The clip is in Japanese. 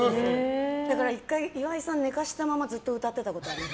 １回、岩井さんを寝かせたままずっと歌ってたことあります。